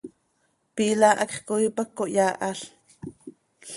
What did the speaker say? Piila hacx coii pac cohyaahal.